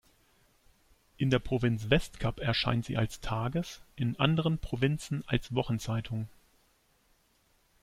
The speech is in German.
In der Provinz Westkap erscheint sie als Tages-, in anderen Provinzen als Wochenzeitung.